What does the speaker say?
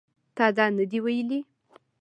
تا دا نه دي ویلي